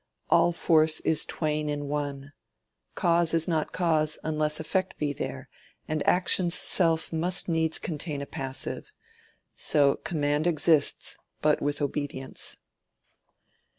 All force is twain in one: cause is not cause Unless effect be there; and action's self Must needs contain a passive. So command Exists but with obedience.